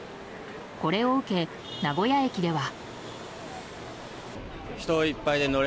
これを受け、名古屋駅では。